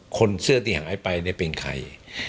คนเสื้อที่หางไอ้ไปนี่เป็นใคร